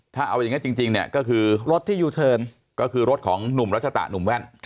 ถ้าเอาอย่างนี้จริงเนี่ยก็คือรถที่ยูเทิร์นก็คือรถของหนุ่มรัชตะหนุ่มแว่น